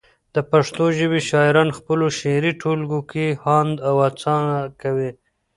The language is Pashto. د پښتو ژبی شاعران پخپلو شعري ټولګو کي هاند او هڅه کوي